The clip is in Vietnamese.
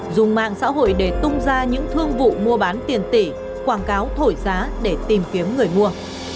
dùng mạng xã hội để tung ra những thương vụ mua bán tiền tỷ quảng cáo thổi giá để tìm kiếm người mua